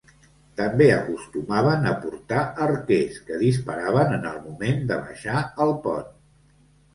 També acostumaven a portar arquers que disparaven en el moment de baixar el pont.